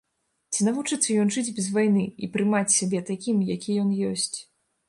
Ці навучыцца ён жыць без вайны і прымаць сябе такім, які ён ёсць?